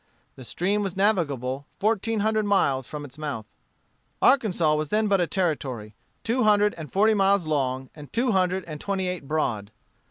The stream was navigable fourteen hundred miles from its mouth. Arkansas was then but a Territory, two hundred and forty miles long and two hundred and twenty eight broad.